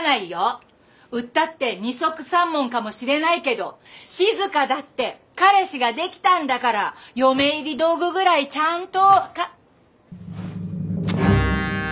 売ったって二束三文かもしれないけど静だって彼氏が出来たんだから嫁入り道具ぐらいちゃんと。